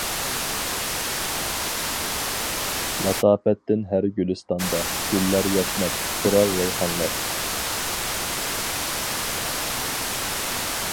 لاتاپەتتىن ھەر گۈلىستاندا، گۈللەر ياشناپ، پۇرار رەيھانلار.